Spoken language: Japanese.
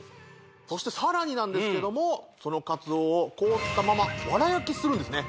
そしてさらになんですけどもその鰹を凍ったまま藁焼きするんですね